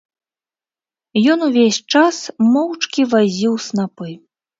Ён увесь час моўчкі вазіў снапы.